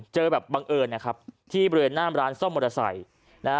เจอแบบบังเอิญนะครับที่บริเวณหน้ามร้านซ่อมมอเตอร์ไซค์นะฮะ